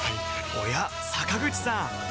おや坂口さん